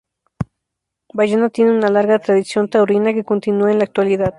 Bayona tiene una larga tradición taurina que continúa en la actualidad.